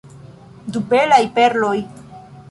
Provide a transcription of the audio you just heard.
Du belaj perloj!